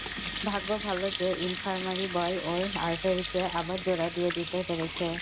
ভাগ্য ভালো যে, ইনফার্মারি বয় ওর আর্টারিকে আবার জোড়া দিয়ে দিতে পেরেছে।